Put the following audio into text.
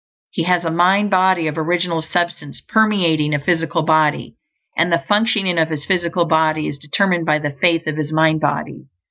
He has a mind body of Original Substance permeating a physical body; and the functioning of his physical body is determined by the FAITH of his mind body.